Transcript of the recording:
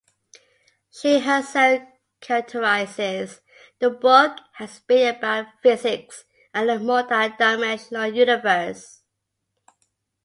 She herself characterizes the book as being about physics and the multi-dimensional universe.